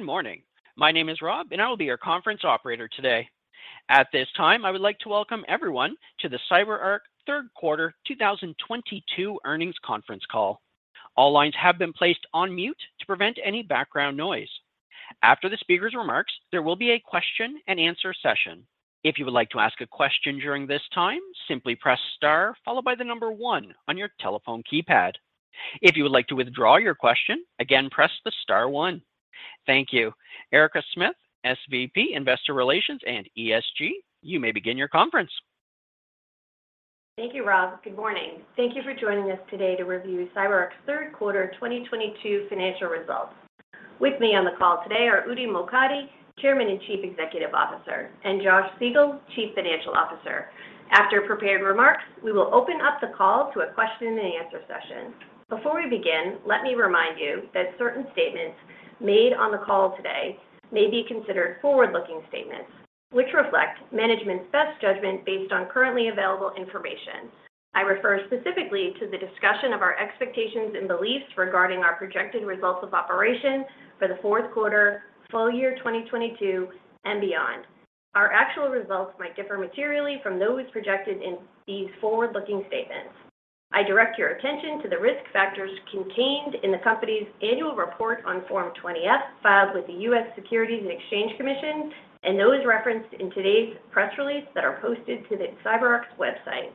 Good morning. My name is Rob, and I will be your conference operator today. At this time, I would like to welcome everyone to the CyberArk third quarter 2022 earnings conference call. All lines have been placed on mute to prevent any background noise. After the speaker's remarks, there will be a question-and-answer session. If you would like to ask a question during this time, simply press star followed by the number one on your telephone keypad. If you would like to withdraw your question, again, press the star one. Thank you. Erica Smith, SVP, Investor Relations and ESG, you may begin your conference. Thank you, Rob. Good morning. Thank you for joining us today to review CyberArk's third quarter 2022 financial results. With me on the call today are Udi Mokady, Chairman and Chief Executive Officer, and Josh Siegel, Chief Financial Officer. After prepared remarks, we will open up the call to a question-and-answer session. Before we begin, let me remind you that certain statements made on the call today may be considered forward-looking statements, which reflect management's best judgment based on currently available information. I refer specifically to the discussion of our expectations and beliefs regarding our projected results of operation for the fourth quarter, full year 2022, and beyond. Our actual results might differ materially from those projected in these forward-looking statements. I direct your attention to the risk factors contained in the company's annual report on Form 20-F, filed with the U.S. Securities and Exchange Commission, and those referenced in today's press release that are posted to the CyberArk's website.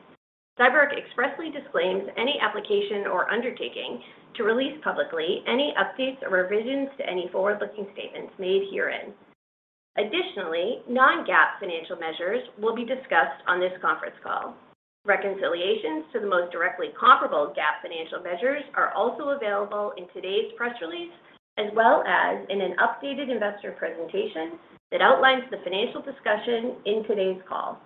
CyberArk expressly disclaims any application or undertaking to release publicly any updates or revisions to any forward-looking statements made herein. Additionally, non-GAAP financial measures will be discussed on this conference call. Reconciliations to the most directly comparable GAAP financial measures are also available in today's press release, as well as in an updated investor presentation that outlines the financial discussion in today's call.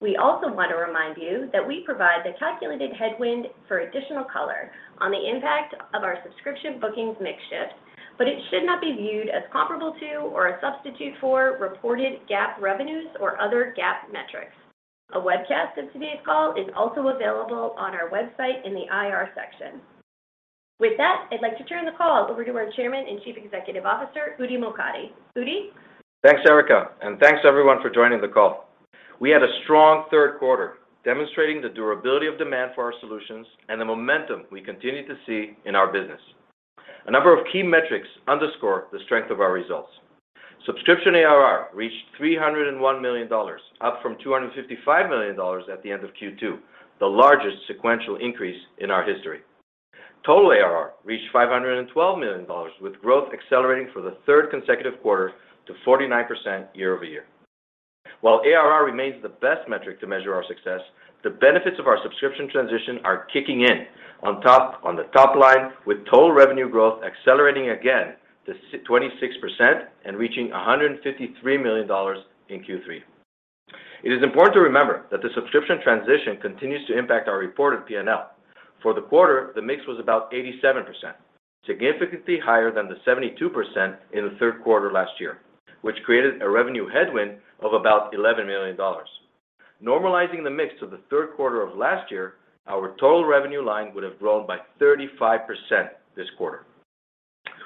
We also want to remind you that we provide the calculated headwind for additional color on the impact of our subscription bookings mix shift, but it should not be viewed as comparable to or a substitute for reported GAAP revenues or other GAAP metrics. A webcast of today's call is also available on our website in the IR section. With that, I'd like to turn the call over to our Chairman and Chief Executive Officer, Udi Mokady. Udi? Thanks, Erica, and thanks everyone for joining the call. We had a strong third quarter demonstrating the durability of demand for our solutions and the momentum we continue to see in our business. A number of key metrics underscore the strength of our results. Subscription ARR reached $301 million, up from $255 million at the end of Q2, the largest sequential increase in our history. Total ARR reached $512 million, with growth accelerating for the third consecutive quarter to 49% year-over-year. While ARR remains the best metric to measure our success, the benefits of our subscription transition are kicking in on top, on the top line with total revenue growth accelerating again to twenty-six percent and reaching $153 million in Q3. It is important to remember that the subscription transition continues to impact our reported PNL. For the quarter, the mix was about 87%, significantly higher than the 72% in the third quarter last year, which created a revenue headwind of about $11 million. Normalizing the mix of the third quarter of last year, our total revenue line would have grown by 35% this quarter.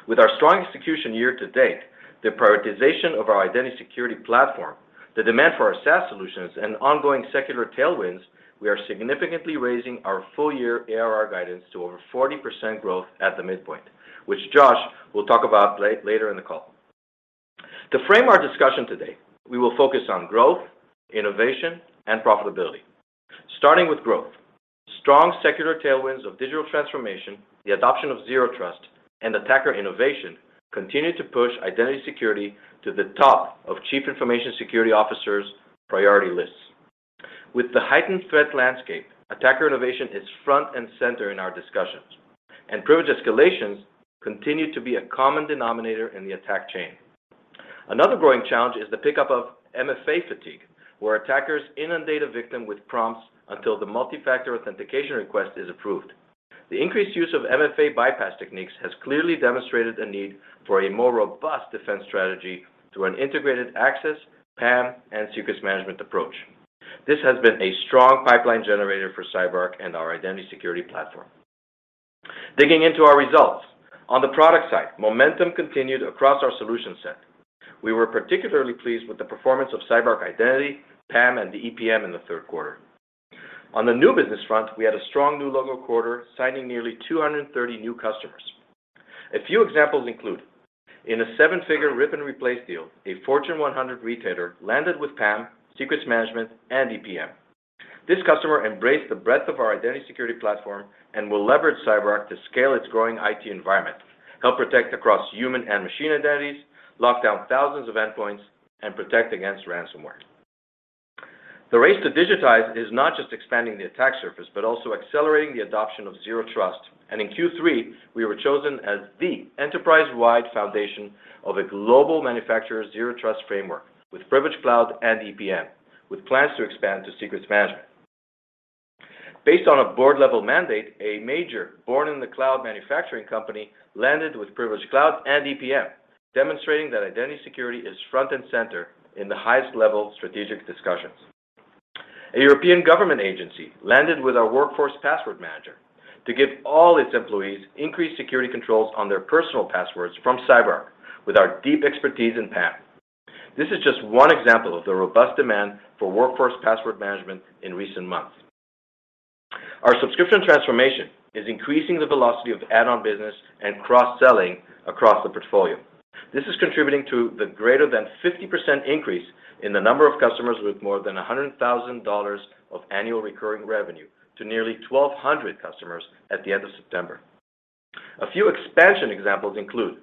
With our strong execution year to date, the prioritization of our identity security platform, the demand for our SaaS solutions, and ongoing secular tailwinds, we are significantly raising our full-year ARR guidance to over 40% growth at the midpoint, which Josh will talk about later in the call. To frame our discussion today, we will focus on growth, innovation, and profitability. Starting with growth. Strong secular tailwinds of digital transformation, the adoption of Zero Trust, and attacker innovation continue to push identity security to the top of chief information security officers' priority lists. With the heightened threat landscape, attacker innovation is front and center in our discussions, and privilege escalations continue to be a common denominator in the attack chain. Another growing challenge is the pickup of MFA fatigue, where attackers inundate a victim with prompts until the multi-factor authentication request is approved. The increased use of MFA bypass techniques has clearly demonstrated a need for a more robust defense strategy through an integrated access, PAM, and secrets management approach. This has been a strong pipeline generator for CyberArk and our identity security platform. Digging into our results. On the product side, momentum continued across our solution set. We were particularly pleased with the performance of CyberArk Identity, PAM, and the EPM in the third quarter. On the new business front, we had a strong new logo quarter, signing nearly 230 new customers. A few examples include in a seven-figure rip-and-replace deal, a Fortune 100 retailer landed with PAM, Secrets Management, and EPM. This customer embraced the breadth of our identity security platform and will leverage CyberArk to scale its growing IT environment, help protect across human and machine identities, lock down thousands of endpoints, and protect against ransomware. The race to digitize is not just expanding the attack surface, but also accelerating the adoption of Zero Trust. In Q3, we were chosen as the enterprise-wide foundation of a global manufacturer's Zero Trust framework with Privilege Cloud and EPM, with plans to expand to Secrets Management. Based on a board-level mandate, a major born-in-the-cloud manufacturing company landed with Privilege Cloud and EPM, demonstrating that identity security is front and center in the highest level strategic discussions. A European government agency landed with our Workforce Password Management to give all its employees increased security controls on their personal passwords from CyberArk with our deep expertise in PAM. This is just one example of the robust demand for Workforce Password Management in recent months. Our subscription transformation is increasing the velocity of add-on business and cross-selling across the portfolio. This is contributing to the greater than 50% increase in the number of customers with more than $100,000 of annual recurring revenue to nearly 1,200 customers at the end of September. A few expansion examples include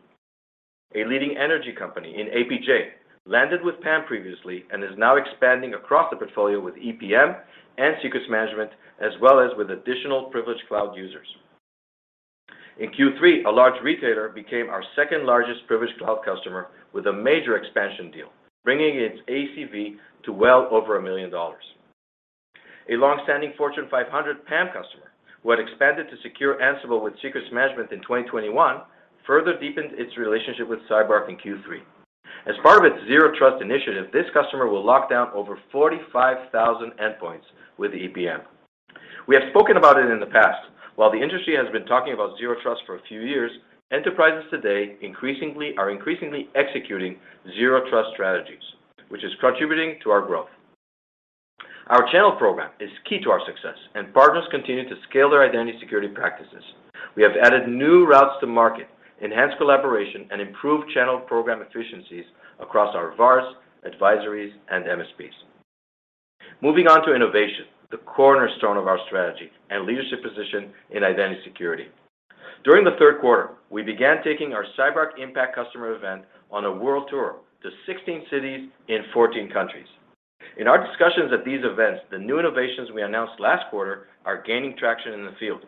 a leading energy company in APJ landed with PAM previously and is now expanding across the portfolio with EPM and Secrets Management, as well as with additional Privilege Cloud users. In Q3, a large retailer became our second-largest Privilege Cloud customer with a major expansion deal, bringing its ACV to well over $1 million. A long-standing Fortune 500 PAM customer who had expanded to secure Ansible with Secrets Management in 2021 further deepened its relationship with CyberArk in Q3. As part of its Zero Trust initiative, this customer will lock down over 45,000 endpoints with EPM. We have spoken about it in the past. While the industry has been talking about Zero Trust for a few years, enterprises today are increasingly executing Zero Trust strategies, which is contributing to our growth. Our channel program is key to our success, and partners continue to scale their identity security practices. We have added new routes to market, enhanced collaboration, and improved channel program efficiencies across our VARs, advisories, and MSPs. Moving on to innovation, the cornerstone of our strategy and leadership position in identity security. During the third quarter, we began taking our CyberArk IMPACT customer event on a world tour to 16 cities in 14 countries. In our discussions at these events, the new innovations we announced last quarter are gaining traction in the field.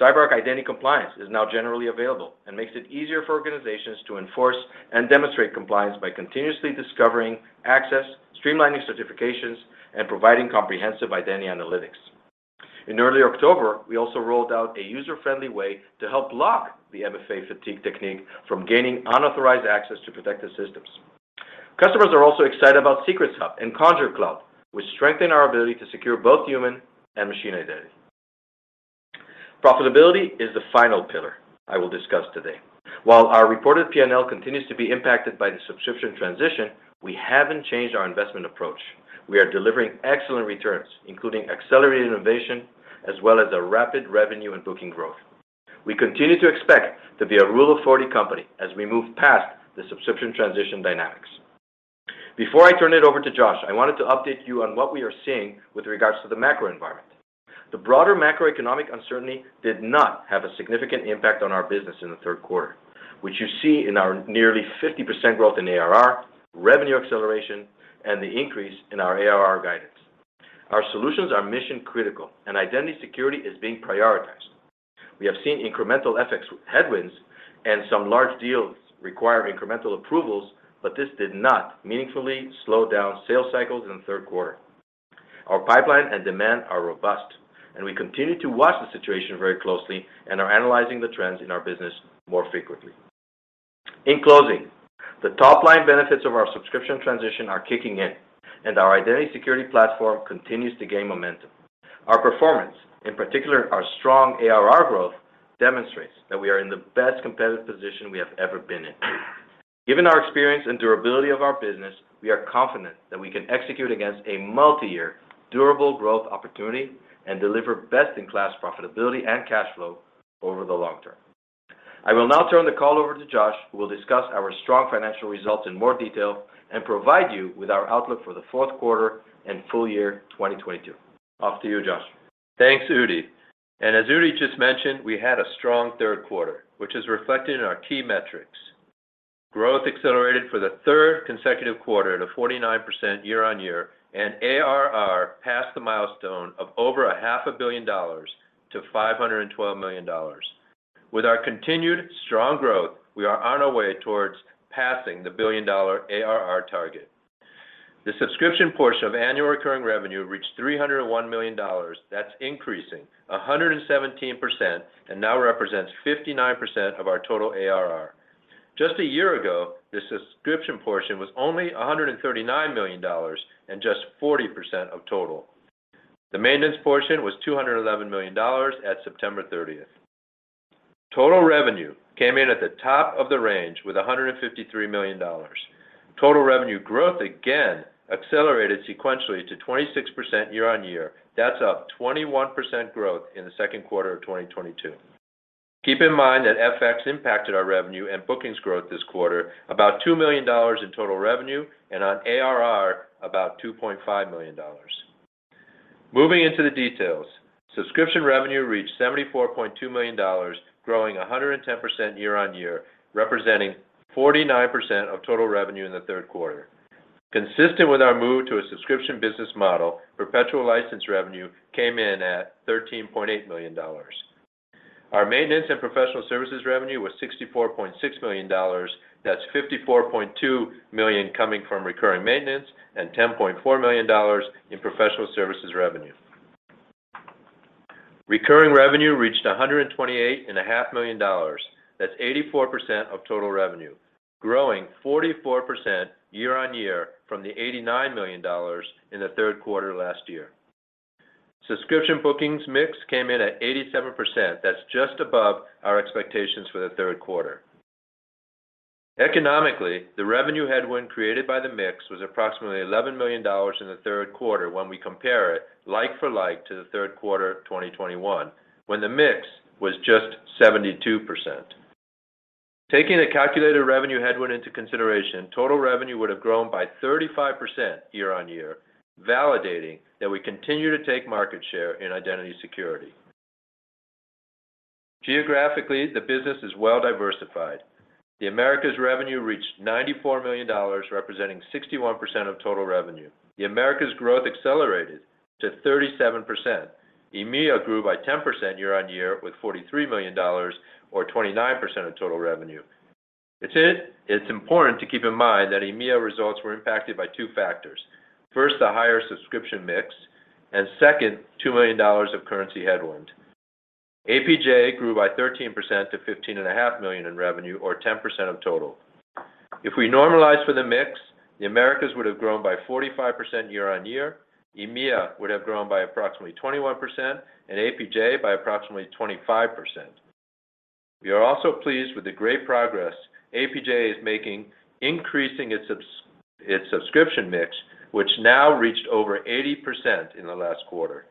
CyberArk Identity Compliance is now generally available and makes it easier for organizations to enforce and demonstrate compliance by continuously discovering access, streamlining certifications, and providing comprehensive identity analytics. In early October, we also rolled out a user-friendly way to help block the MFA fatigue technique from gaining unauthorized access to protected systems. Customers are also excited about Secrets Hub and Conjur Cloud, which strengthen our ability to secure both human and machine identity. Profitability is the final pillar I will discuss today. While our reported P&L continues to be impacted by the subscription transition, we haven't changed our investment approach. We are delivering excellent returns, including accelerated innovation as well as a rapid revenue and booking growth. We continue to expect to be a Rule of 40 company as we move past the subscription transition dynamics. Before I turn it over to Josh, I wanted to update you on what we are seeing with regards to the macro environment. The broader macroeconomic uncertainty did not have a significant impact on our business in the third quarter, which you see in our nearly 50% growth in ARR, revenue acceleration, and the increase in our ARR guidance. Our solutions are mission-critical, and identity security is being prioritized. We have seen incremental FX headwinds and some large deals require incremental approvals, but this did not meaningfully slow down sales cycles in the third quarter. Our pipeline and demand are robust, and we continue to watch the situation very closely and are analyzing the trends in our business more frequently. In closing, the top-line benefits of our subscription transition are kicking in, and our identity security platform continues to gain momentum. Our performance, in particular our strong ARR growth, demonstrates that we are in the best competitive position we have ever been in. Given our experience and durability of our business, we are confident that we can execute against a multi-year durable growth opportunity and deliver best-in-class profitability and cash flow over the long term. I will now turn the call over to Josh, who will discuss our strong financial results in more detail and provide you with our outlook for the fourth quarter and full year 2022. Off to you, Josh. Thanks, Udi. As Udi just mentioned, we had a strong third quarter, which is reflected in our key metrics. Growth accelerated for the third consecutive quarter to 49% year-on-year, and ARR passed the milestone of over a half a billion dollars to $512 million. With our continued strong growth, we are on our way towards passing the billion-dollar ARR target. The subscription portion of annual recurring revenue reached $301 million. That's increasing 117% and now represents 59% of our total ARR. Just a year ago, the subscription portion was only $139 million and just 40% of total. The maintenance portion was $211 million at September thirtieth. Total revenue came in at the top of the range with $153 million. Total revenue growth again accelerated sequentially to 26% year-on-year. That's up 21% growth in the second quarter of 2022. Keep in mind that FX impacted our revenue and bookings growth this quarter about $2 million in total revenue, and on ARR, about $2.5 million. Moving into the details. Subscription revenue reached $74.2 million, growing 110% year-on-year, representing 49% of total revenue in the third quarter. Consistent with our move to a subscription business model, perpetual license revenue came in at $13.8 million. Our maintenance and professional services revenue was $64.6 million. That's $54.2 million coming from recurring maintenance and $10.4 million in professional services revenue. Recurring revenue reached $128.5 million. That's 84% of total revenue, growing 44% year-on-year from the $89 million in the third quarter last year. Subscription bookings mix came in at 87%. That's just above our expectations for the third quarter. Economically, the revenue headwind created by the mix was approximately $11 million in the third quarter when we compare it like for like to the third quarter 2021, when the mix was just 72%. Taking the calculated revenue headwind into consideration, total revenue would have grown by 35% year-on-year, validating that we continue to take market share in identity security. Geographically, the business is well diversified. The Americas revenue reached $94 million, representing 61% of total revenue. The Americas growth accelerated to 37%. EMEA grew by 10% year-on-year with $43 million or 29% of total revenue. It's important to keep in mind that EMEA results were impacted by two factors. First, the higher subscription mix, and second, $2 million of currency headwind. APJ grew by 13% to $15.5 million in revenue, or 10% of total. If we normalize for the mix, the Americas would have grown by 45% year-on-year, EMEA would have grown by approximately 21%, and APJ by approximately 25%. We are also pleased with the great progress APJ is making increasing its subscription mix, which now reached over 80% in the last quarter.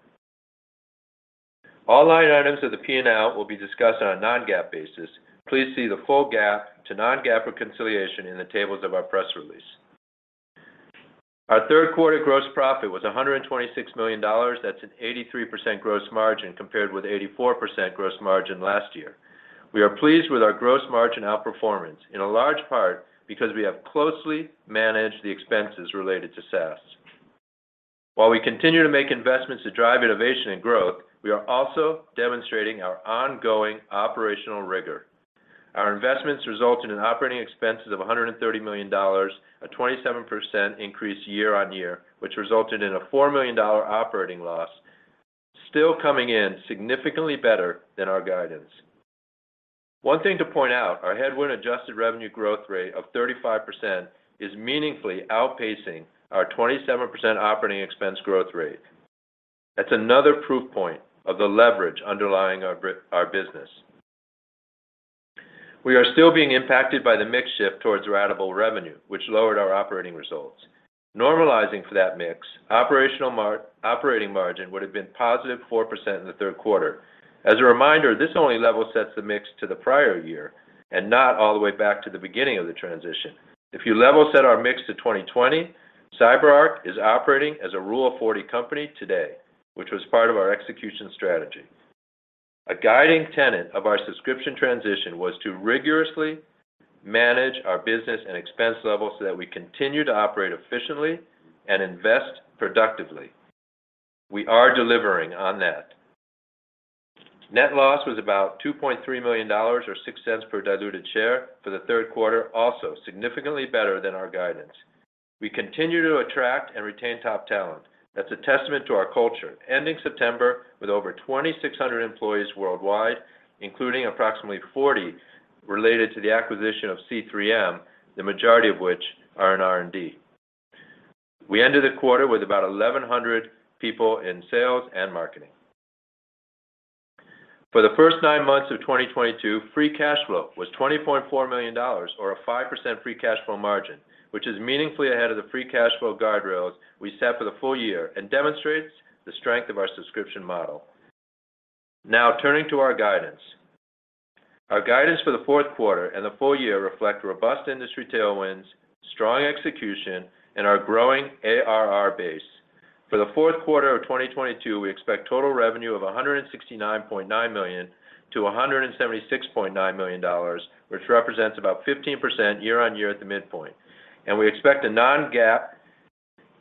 All line items of the P&L will be discussed on a non-GAAP basis. Please see the full GAAP to non-GAAP reconciliation in the tables of our press release. Our third quarter gross profit was $126 million. That's an 83% gross margin compared with 84% gross margin last year. We are pleased with our gross margin outperformance in a large part because we have closely managed the expenses related to SaaS. While we continue to make investments to drive innovation and growth, we are also demonstrating our ongoing operational rigor. Our investments resulted in operating expenses of $130 million, a 27% increase year-on-year, which resulted in a $4 million operating loss, still coming in significantly better than our guidance. One thing to point out, our headwind-adjusted revenue growth rate of 35% is meaningfully outpacing our 27% operating expense growth rate. That's another proof point of the leverage underlying our business. We are still being impacted by the mix shift towards ratable revenue, which lowered our operating results. Normalizing for that mix, operating margin would have been positive 4% in the third quarter. As a reminder, this only level sets the mix to the prior year and not all the way back to the beginning of the transition. If you level set our mix to 2020, CyberArk is operating as a Rule of 40 company today, which was part of our execution strategy. A guiding tenet of our subscription transition was to rigorously manage our business and expense levels so that we continue to operate efficiently and invest productively. We are delivering on that. Net loss was about $2.3 million or 6 cents per diluted share for the third quarter, also significantly better than our guidance. We continue to attract and retain top talent. That's a testament to our culture, ending September with over 2,600 employees worldwide, including approximately 40 related to the acquisition of C3M, the majority of which are in R&D. We ended the quarter with about 1,100 people in sales and marketing. For the first nine months of 2022, free cash flow was $20.4 million or a 5% free cash flow margin, which is meaningfully ahead of the free cash flow guardrails we set for the full year and demonstrates the strength of our subscription model. Now turning to our guidance. Our guidance for the fourth quarter and the full year reflect robust industry tailwinds, strong execution, and our growing ARR base. For the fourth quarter of 2022, we expect total revenue of $169.9 million-$176.9 million, which represents about 15% year-on-year at the midpoint. We expect a non-GAAP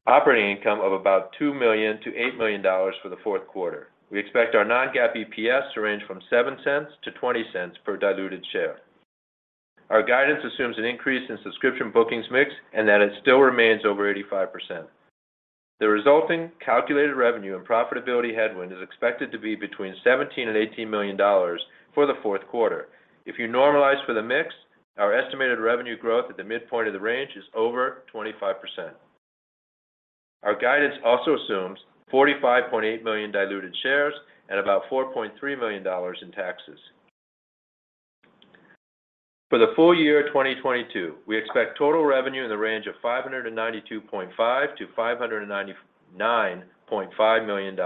operating income of about $2 million-$8 million for the fourth quarter. We expect our non-GAAP EPS to range from 7 cents to 20 cents per diluted share. Our guidance assumes an increase in subscription bookings mix, and that it still remains over 85%. The resulting calculated revenue and profitability headwind is expected to be between $17 million and $18 million for the fourth quarter. If you normalize for the mix, our estimated revenue growth at the midpoint of the range is over 25%. Our guidance also assumes 45.8 million diluted shares and about $4.3 million in taxes. For the full year 2022, we expect total revenue in the range of $592.5 million-$599.5 million.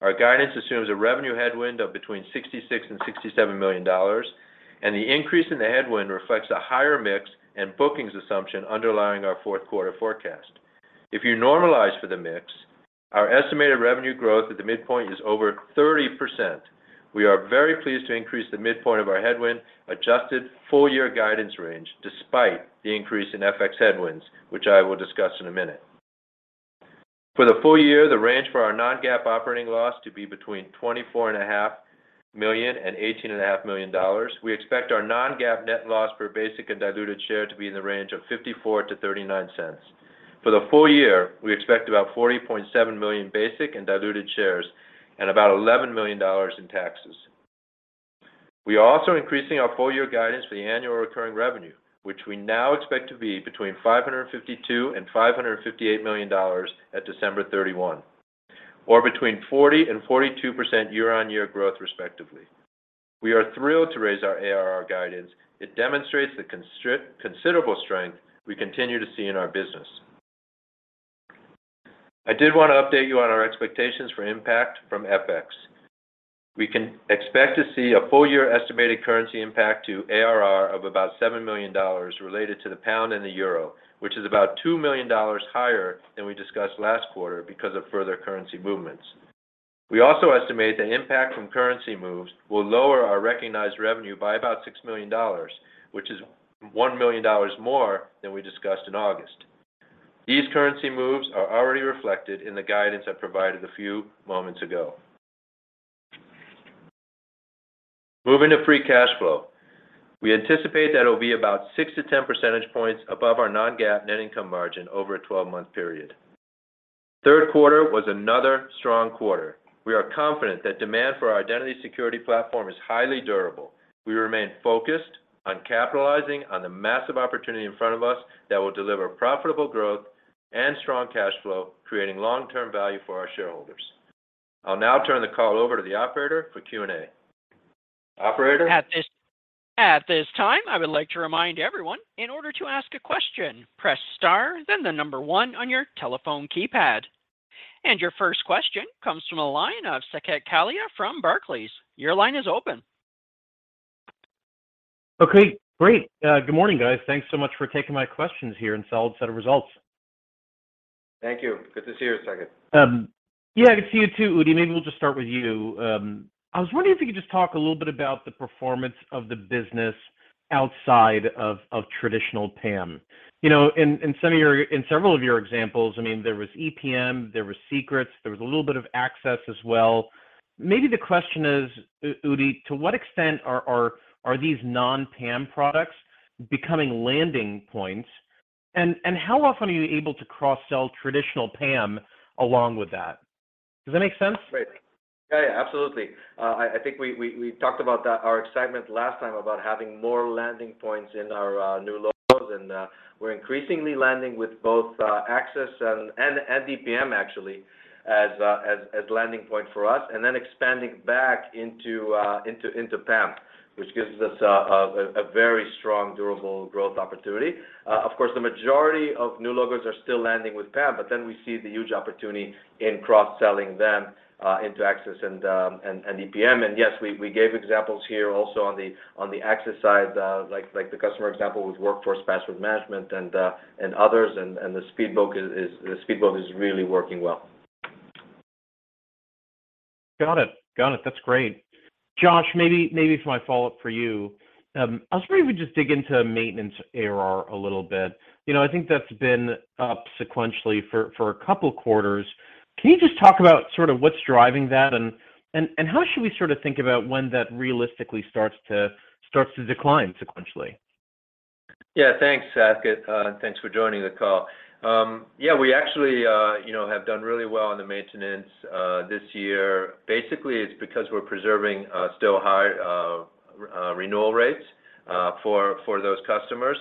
Our guidance assumes a revenue headwind of between $66 million-$67 million, and the increase in the headwind reflects a higher mix and bookings assumption underlying our fourth quarter forecast. If you normalize for the mix, our estimated revenue growth at the midpoint is over 30%. We are very pleased to increase the midpoint of our headwind-adjusted full-year guidance range despite the increase in FX headwinds, which I will discuss in a minute. For the full year, the range for our non-GAAP operating loss to be between $24.5 million and $18.5 million. We expect our non-GAAP net loss per basic and diluted share to be in the range of $0.54-$0.39. For the full year, we expect about 40.7 million basic and diluted shares and about $11 million in taxes. We are also increasing our full year guidance for the annual recurring revenue, which we now expect to be between $552 million and $558 million at December 31. Between 40%-42% year-on-year growth respectively. We are thrilled to raise our ARR guidance. It demonstrates the considerable strength we continue to see in our business. I did wanna update you on our expectations for impact from FX. We can expect to see a full year estimated currency impact to ARR of about $7 million related to the pound and the euro, which is about $2 million higher than we discussed last quarter because of further currency movements. We also estimate the impact from currency moves will lower our recognized revenue by about $6 million, which is $1 million more than we discussed in August. These currency moves are already reflected in the guidance I provided a few moments ago. Moving to free cash flow. We anticipate that it'll be about 6-10 percentage points above our non-GAAP net income margin over a 12-month period. Third quarter was another strong quarter. We are confident that demand for our identity security platform is highly durable. We remain focused on capitalizing on the massive opportunity in front of us that will deliver profitable growth and strong cash flow, creating long-term value for our shareholders. I'll now turn the call over to the operator for Q&A. Operator? At this time, I would like to remind everyone, in order to ask a question, press star then the number one on your telephone keypad. Your first question comes from the line of Saket Kalia from Barclays. Your line is open. Okay, great. Good morning, guys. Thanks so much for taking my questions here on solid set of results. Thank you. Good to see you, Saket. Yeah, good to see you too, Udi. Maybe we'll just start with you. I was wondering if you could just talk a little bit about the performance of the business outside of traditional PAM. You know, in several of your examples, I mean, there was EPM, there was Secrets, there was a little bit of Access as well. Maybe the question is, Udi, to what extent are these non-PAM products becoming landing points? And how often are you able to cross-sell traditional PAM along with that? Does that make sense? Right. Yeah, yeah. Absolutely. I think we talked about that, our excitement last time about having more landing points in our new logos. We're increasingly landing with both Access and EPM actually as landing point for us. Expanding back into PAM, which gives us a very strong durable growth opportunity. Of course, the majority of new logos are still landing with PAM, but then we see the huge opportunity in cross-selling them into Access and EPM. Yes, we gave examples here also on the Access side, like the customer example with Workforce Password Management and others, and the Speedboat is really working well. Got it. That's great. Josh, maybe for my follow-up for you. I was wondering if we just dig into maintenance ARR a little bit. You know, I think that's been up sequentially for a couple quarters. Can you just talk about sort of what's driving that? How should we sort of think about when that realistically starts to decline sequentially? Yeah. Thanks, Saket, and thanks for joining the call. Yeah, we actually, you know, have done really well on the maintenance this year. Basically, it's because we're preserving still high renewal rates for those customers.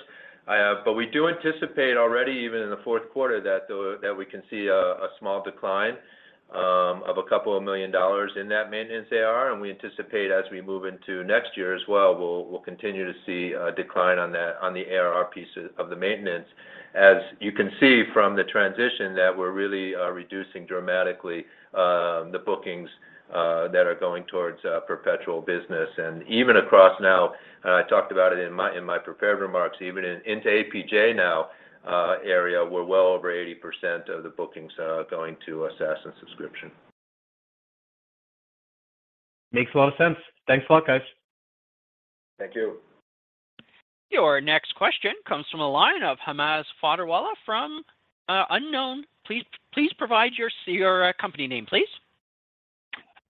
We do anticipate already even in the fourth quarter that we can see a small decline of $2 million in that maintenance ARR, and we anticipate as we move into next year as well, we'll continue to see a decline on the ARR piece of the maintenance. As you can see from the transition that we're really reducing dramatically the bookings that are going towards perpetual business. Even across now and I talked about it in my prepared remarks. Even into APJ area, we're well over 80% of the bookings going to SaaS and subscription. Makes a lot of sense. Thanks a lot, guys. Thank you. Your next question comes from the line of Hamza Fodderwala from unknown. Please provide your company name, please.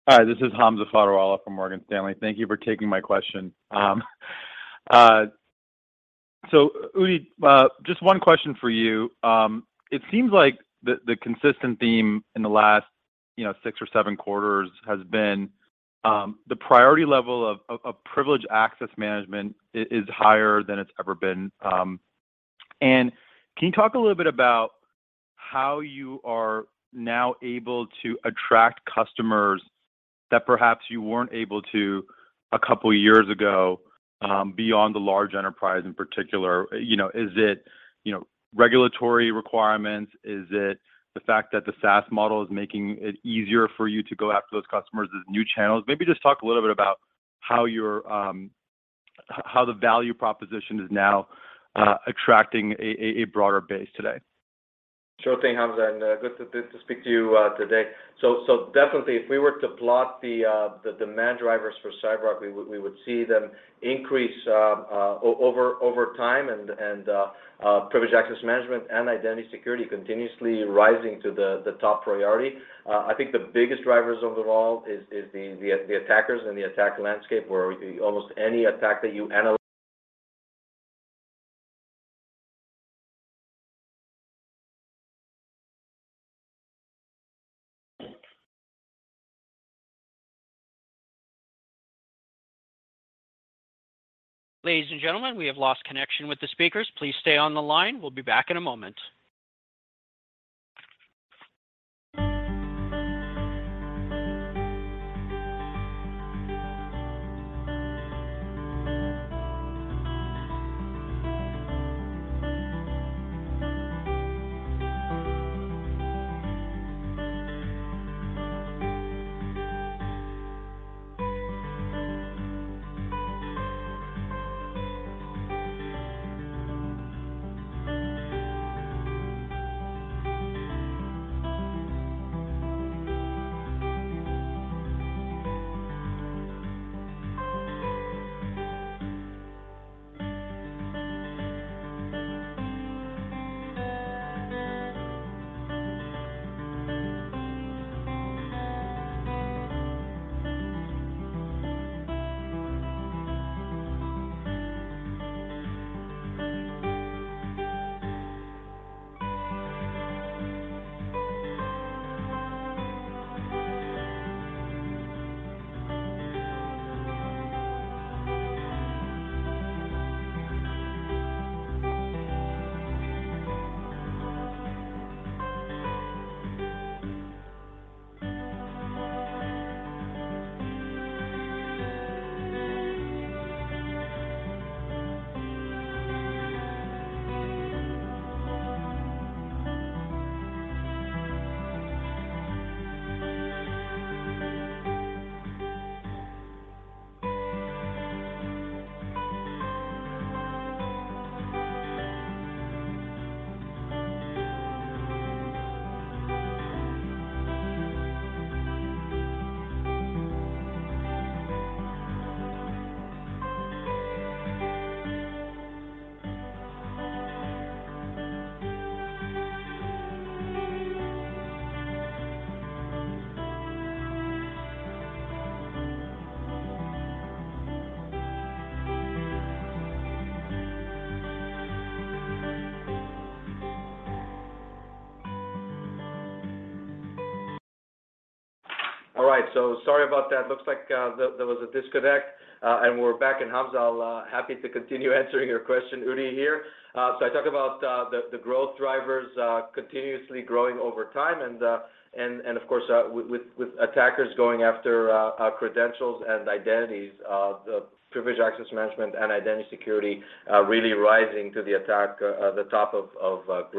Hi, this is Hamza Fodderwala from Morgan Stanley. Thank you for taking my question. Udi, just one question for you. It seems like the consistent theme in the last, you know, six or seven quarters has been the priority level of Privileged Access Management is higher than it's ever been. Can you talk a little bit about how you are now able to attract customers that perhaps you weren't able to a couple years ago, beyond the large enterprise in particular? You know, is it, you know, regulatory requirements? Is it the fact that the SaaS model is making it easier for you to go after those customers as new channels? Maybe just talk a little bit about how your how the value proposition is now attracting a broader base today. Sure thing, Hamza, and good to speak to you today. Definitely, if we were to plot the demand drivers for CyberArk, we would see them increase over time, and Privileged Access Management and Identity Security continuously rising to the top priority. I think the biggest drivers overall is the attackers and the attack landscape, where almost any attack that you analyze Ladies and gentlemen, we have lost connection with the speakers. Please stay on the line. We'll be back in a moment. All right. Sorry about that. Looks like there was a disconnect, and we're back. Hamza, happy to continue answering your question. Udi here. I talked about the growth drivers continuously growing over time, and of course, with attackers going after credentials and identities, the Privileged Access Management and Identity Security really rising to the top of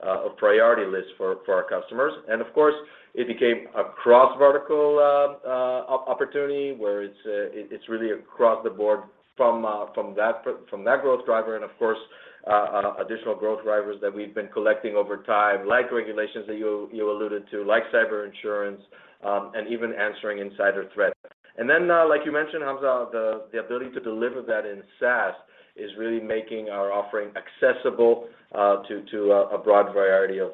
the priority lists for our customers. Of course, it became a cross-vertical opportunity where it's really across the board from that growth driver and of course, additional growth drivers that we've been collecting over time, like regulations that you alluded to, like cyber insurance, and even addressing insider threat. Then, like you mentioned, Hamza, the ability to deliver that in SaaS is really making our offering accessible to a broad variety of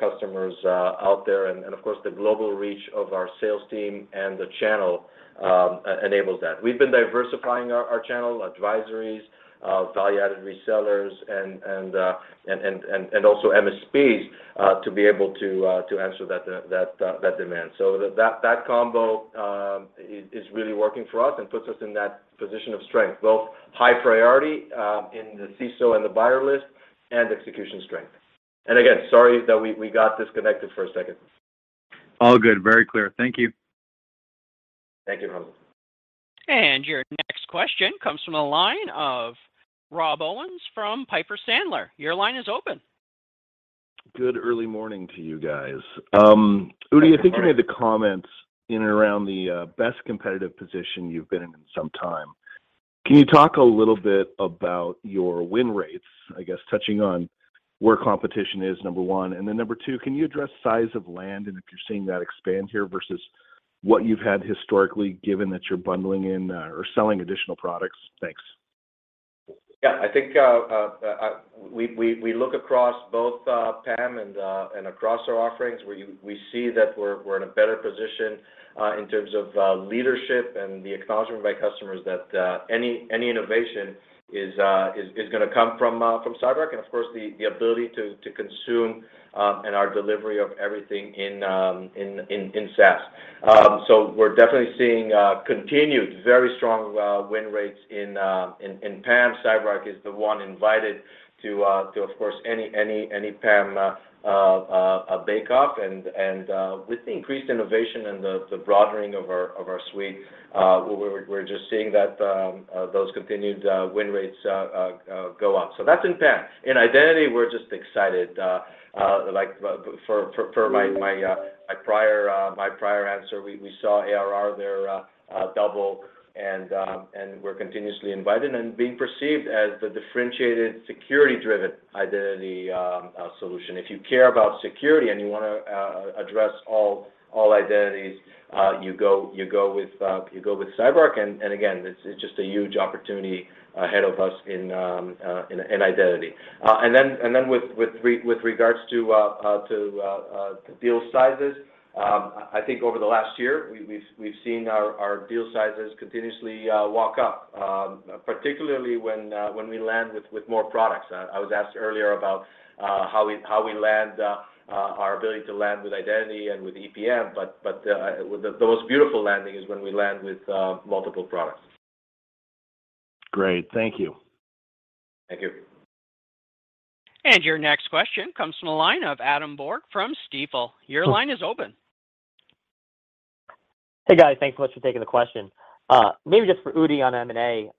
customers out there. Of course, the global reach of our sales team and the channel enables that. We've been diversifying our channel advisors, value-added resellers and also MSPs to be able to answer that demand. That combo is really working for us and puts us in that position of strength, both high priority in the CISO and the buyer list and execution strength. Again, sorry that we got disconnected for a second. All good. Very clear. Thank you. Thank you, Hamza. Your next question comes from the line of Rob Owens from Piper Sandler. Your line is open. Good early morning to you guys. Udi, I think you made the comments in and around the best competitive position you've been in in some time. Can you talk a little bit about your win rates, I guess touching on where competition is, number one. Number two, can you address land size and if you're seeing that expand here versus what you've had historically, given that you're bundling in or selling additional products? Thanks. I think we look across both PAM and across our offerings, we see that we're in a better position in terms of leadership and the acknowledgement by customers that any innovation is gonna come from CyberArk. Of course, the ability to consume and our delivery of everything in SaaS. We're definitely seeing continued very strong win rates in PAM. CyberArk is the one invited to of course any PAM bake off. With the increased innovation and the broadening of our suite, we're just seeing that those continued win rates go up. That's in PAM. In identity, we're just excited. Like for my prior answer, we saw ARR there double and we're continuously invited and being perceived as the differentiated security-driven identity solution. If you care about security and you wanna address all identities, you go with CyberArk. Again, this is just a huge opportunity ahead of us in identity. With regards to deal sizes, I think over the last year, we've seen our deal sizes continuously walk up, particularly when we land with more products. I was asked earlier about how we land our ability to land with identity and with EPM, but the most beautiful landing is when we land with multiple products. Great. Thank you. Thank you. Your next question comes from the line of Adam Borg from Stifel. Your line is open. Hey guys, thanks so much for taking the question. Maybe just for Udi on M&A.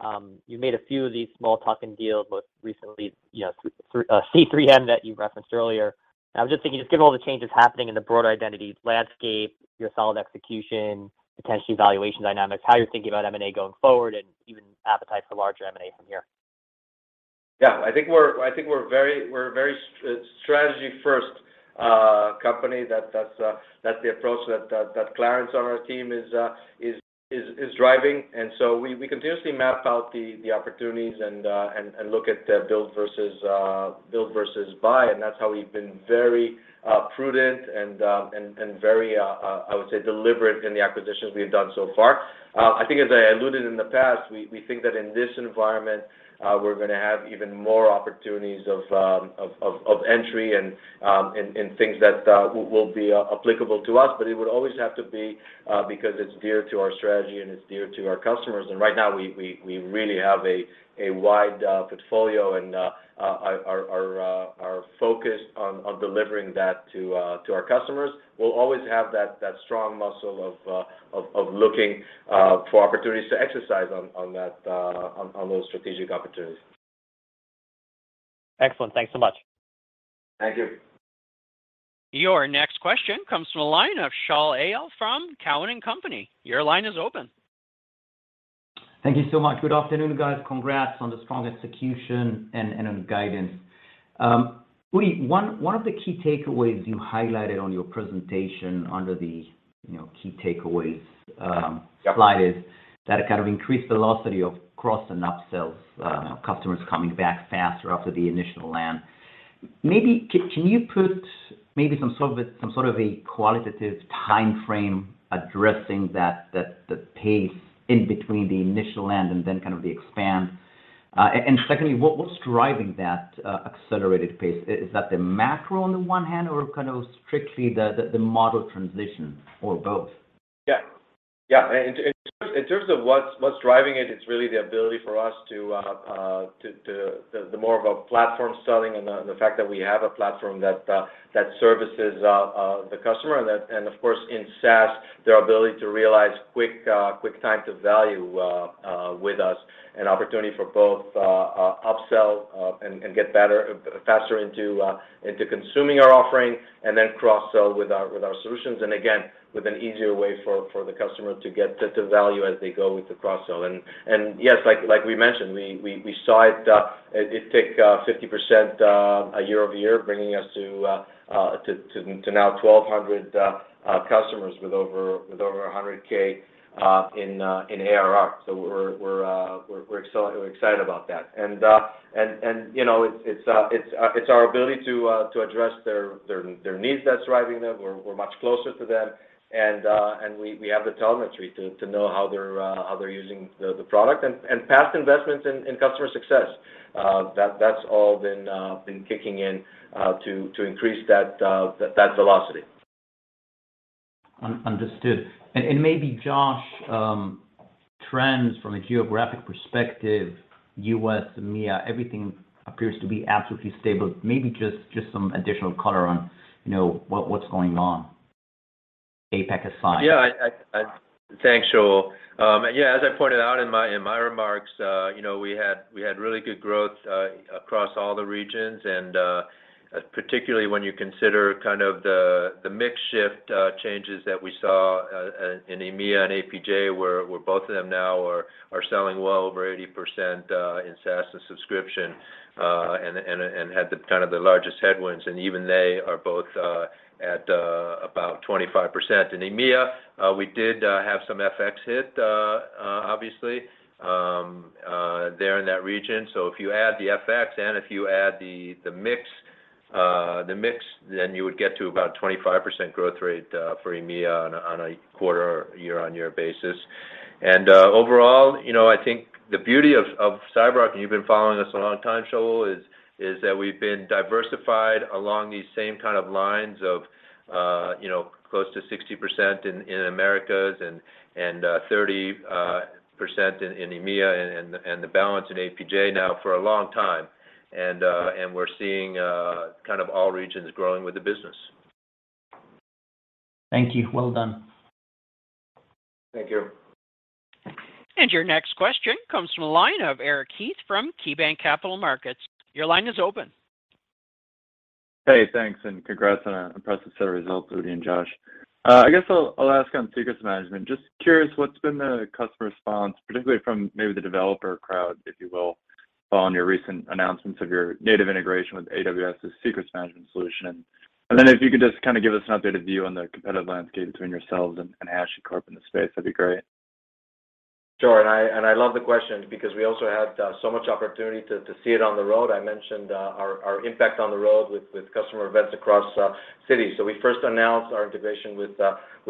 You made a few of these small token deals, both recently, you know, through C3M that you referenced earlier. I was just thinking, just given all the changes happening in the broader identity landscape, your solid execution, potential valuation dynamics, how you're thinking about M&A going forward, and even appetite for larger M&A from here. I think we're a very strategy first company. That's the approach that Clarence on our team is driving. We continuously map out the opportunities and look at build versus buy, and that's how we've been very prudent and very deliberate in the acquisitions we have done so far. I think as I alluded in the past, we think that in this environment, we're gonna have even more opportunities of entry and things that will be applicable to us. It would always have to be because it's dear to our strategy and it's dear to our customers. Right now we really have a wide portfolio and our focus on delivering that to our customers. We'll always have that strong muscle of looking for opportunities to exercise on that on those strategic opportunities. Excellent. Thanks so much. Thank you. Your next question comes from the line of Shaul Eyal from Cowen and Company. Your line is open. Thank you so much. Good afternoon, guys. Congrats on the strong execution and on guidance. Udi, one of the key takeaways you highlighted on your presentation under the, you know, key takeaways slide is that kind of increased velocity of cross and upsells, customers coming back faster after the initial land. Maybe you can put some sort of a qualitative timeframe addressing that, the pace in between the initial land and then kind of the expand? Secondly, what's driving that accelerated pace? Is that the macro on the one hand, or kind of strictly the model transition or both? Yeah. In terms of what's driving it's really the ability for us to the more of a platform selling and the fact that we have a platform that services the customer. That of course in SaaS, their ability to realize quick time to value with us and opportunity for both upsell and get better, faster into consuming our offering, and then cross-sell with our solutions. Again, with an easier way for the customer to get the value as they go with the cross-sell. Yes, like we mentioned, we saw it take 50% year-over-year, bringing us to now 1,200 customers with over 100K in ARR. We're excited about that. You know, it's our ability to address their needs that's driving them. We're much closer to them and we have the telemetry to know how they're using the product. Past investments in customer success. That's all been kicking in to increase that velocity. Understood. Maybe Josh, trends from a geographic perspective, U.S., EMEA, everything appears to be absolutely stable. Maybe just some additional color on, you know, what's going on, APAC aside. Thanks, Shaul. Yeah, as I pointed out in my remarks, you know, we had really good growth across all the regions and, particularly when you consider kind of the mix shift changes that we saw in EMEA and APJ, where both of them now are selling well over 80% in SaaS and subscription. And had the kind of the largest headwinds. Even they are both at about 25%. In EMEA, we did have some FX hit, obviously, there in that region. If you add the FX in, if you add the mix, then you would get to about 25% growth rate for EMEA on a quarter year-on-year basis. Overall, you know, I think the beauty of CyberArk, and you've been following us a long time, Shaul, is that we've been diversified along these same kind of lines of, you know, close to 60% in Americas and 30% in EMEA and the balance in APJ now for a long time. We're seeing kind of all regions growing with the business. Thank you. Well done. Thank you. Your next question comes from the line of Eric Heath from KeyBanc Capital Markets. Your line is open. Hey, thanks, and congrats on an impressive set of results, Udi and Josh. I guess I'll ask on secrets management. Just curious, what's been the customer response, particularly from maybe the developer crowd, if you will, following your recent announcements of your native integration with AWS's secrets management solution? Then if you could just kind of give us an updated view on the competitive landscape between yourselves and HashiCorp in the space, that'd be great. Sure. I love the question because we also had so much opportunity to see it on the road. I mentioned our IMPACT on the road with customer events across cities. We first announced our integration with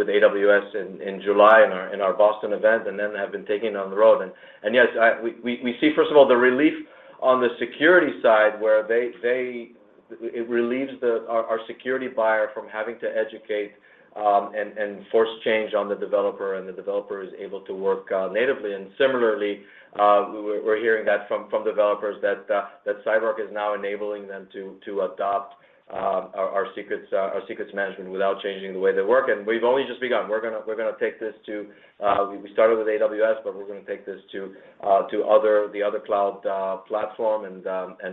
AWS in July in our Boston event, and then have been taking it on the road. Yes, we see, first of all, the relief on the security side where they. It relieves our security buyer from having to educate and force change on the developer, and the developer is able to work natively. We're hearing that from developers that CyberArk is now enabling them to adopt our Secrets Management without changing the way they work. We've only just begun. We're gonna take this to, we started with AWS, but we're gonna take this to the other cloud platform.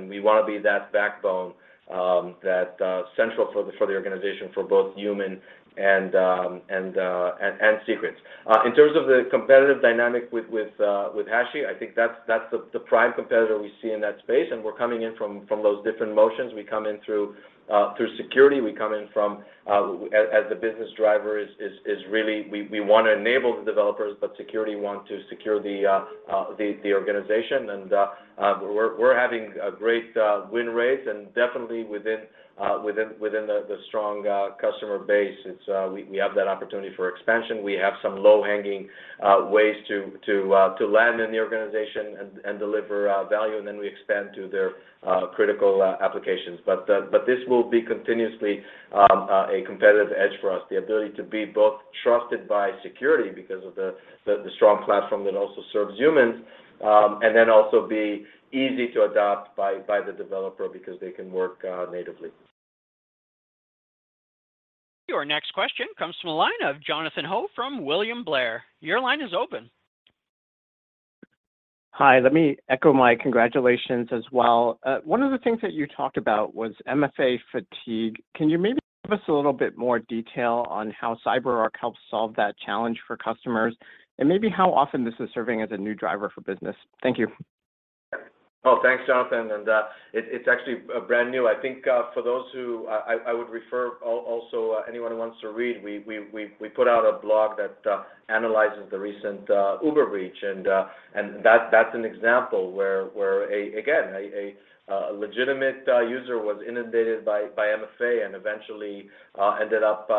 We wanna be that backbone, that central for the organization for both human and secrets. In terms of the competitive dynamic with HashiCorp, I think that's the prime competitor we see in that space, and we're coming in from those different motions. We come in through security. We come in from as the business driver is really we wanna enable the developers, but security want to secure the organization. We're having a great win rate and definitely within the strong customer base. We have that opportunity for expansion. We have some low-hanging ways to land in the organization and deliver value, and then we expand to their critical applications. This will be continuously a competitive edge for us, the ability to be both trusted by security because of the strong platform that also serves humans, and then also be easy to adopt by the developer because they can work natively. Your next question comes from the line of Jonathan Ho from William Blair. Your line is open. Hi. Let me echo my congratulations as well. One of the things that you talked about was MFA fatigue. Can you maybe give us a little bit more detail on how CyberArk helps solve that challenge for customers and maybe how often this is serving as a new driver for business? Thank you. Oh, thanks, Jonathan. It's actually brand new. I think, for those who, I would also refer anyone who wants to read, we put out a blog that analyzes the recent Uber breach. That's an example where, again, a legitimate user was inundated by MFA and eventually ended up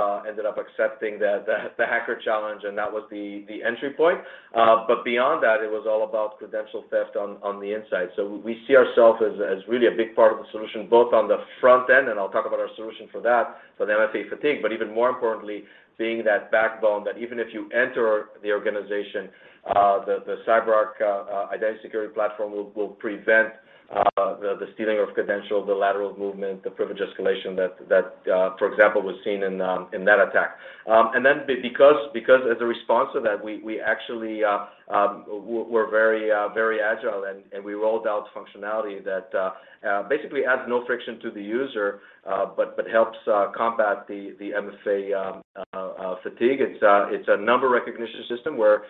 accepting the hacker challenge, and that was the entry point. But beyond that, it was all about credential theft on the inside. We see ourselves as really a big part of the solution, both on the front end, and I'll talk about our solution for that, for the MFA fatigue, but even more importantly, being that backbone, that even if you enter the organization, the CyberArk identity security platform will prevent the stealing of credentials, the lateral movement, the privilege escalation that, for example, was seen in that attack. Because as a response to that, we actually are very agile and we rolled out functionality that basically adds no friction to the user, but helps combat the MFA fatigue. It's a number recognition system where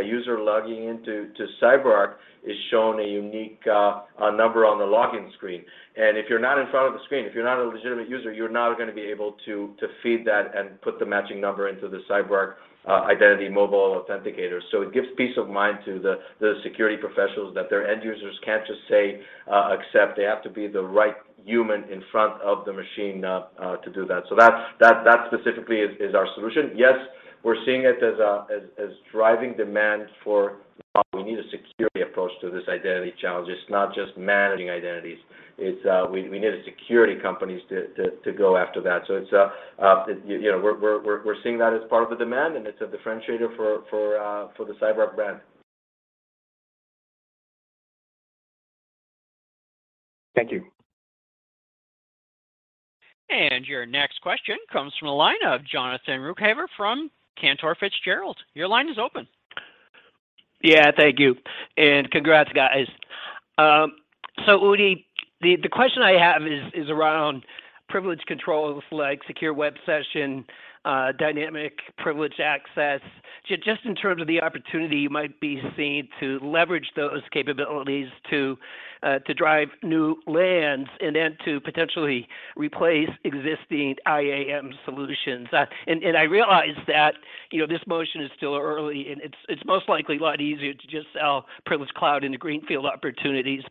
a user logging into CyberArk is shown a unique number on the login screen. If you're not in front of the screen, if you're not a legitimate user, you're not gonna be able to feed that and put the matching number into the CyberArk Identity mobile authenticator. It gives peace of mind to the security professionals that their end users can't just say accept. They have to be the right human in front of the machine to do that. That specifically is our solution. Yes, we're seeing it as driving demand for We need a security approach to this identity challenge. It's not just managing identities. It's we need security companies to go after that. It's you know, we're seeing that as part of the demand, and it's a differentiator for the CyberArk brand. Thank you. Your next question comes from the line of Jonathan Ruykhaver from Cantor Fitzgerald. Your line is open. Yeah. Thank you, and congrats, guys. So Udi, the question I have is around privilege controls like Secure Web Sessions, Dynamic Privileged Access. Just in terms of the opportunity you might be seeing to leverage those capabilities to drive new lands and then to potentially replace existing IAM solutions. I realize that, you know, this motion is still early, and it's most likely a lot easier to just sell privileged cloud into greenfield opportunities.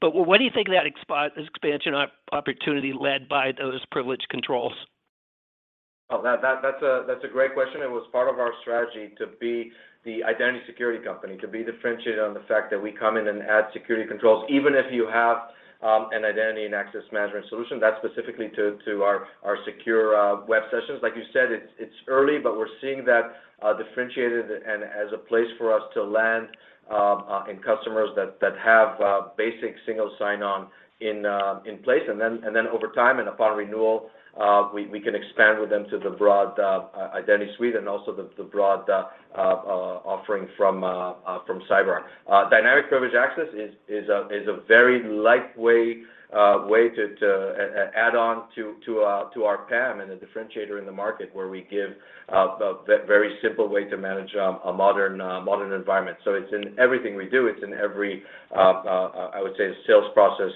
But what do you think of that expansion opportunity led by those privileged controls? Oh, that's a great question, and it was part of our strategy to be the identity security company, to be differentiated on the fact that we come in and add security controls even if you have an identity and access management solution. That's specifically to our Secure Web Sessions. Like you said, it's early, but we're seeing that differentiated and as a place for us to land in customers that have basic single sign-on in place. And then over time and upon renewal, we can expand with them to the broad identity suite and also the broad offering from CyberArk. Dynamic Privileged Access is a very light way to add on to our PAM and a differentiator in the market, where we give a very simple way to manage a modern environment. It's in everything we do. It's in every sales process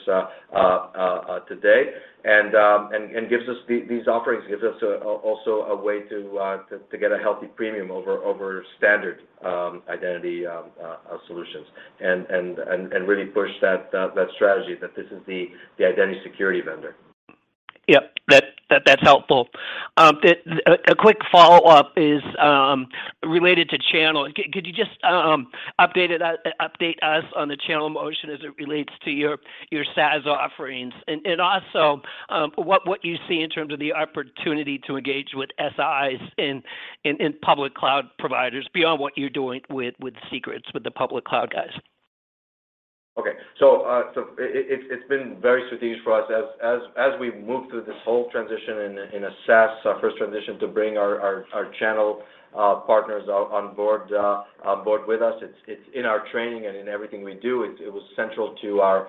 today and gives us. These offerings gives us also a way to get a healthy premium over standard identity solutions and really push that strategy that this is the identity security vendor. Yep. That's helpful. A quick follow-up is related to channel. Could you just update us on the channel motion as it relates to your SaaS offerings? Also, what you see in terms of the opportunity to engage with SIs in public cloud providers beyond what you're doing with Secrets with the public cloud guys. Okay. It's been very strategic for us as we move through this whole transition in SaaS, our first transition to bring our channel partners on board with us. It's in our training and in everything we do. It was central to our